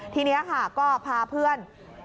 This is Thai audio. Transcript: ทีนี้ค่ะก็พาเพื่อน